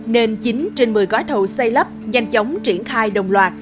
nên chín trên một mươi gói thầu xây lắp nhanh chóng triển khai đồng loạt